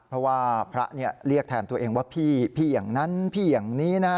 เพราะว่าพระเรียกแทนตัวเองว่าพี่อย่างนั้นพี่อย่างนี้นะ